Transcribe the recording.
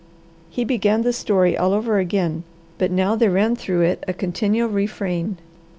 He began the story all over again, but now there ran through it a continual refrain.